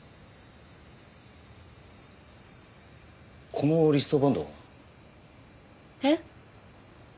このリストバンドは？えっ？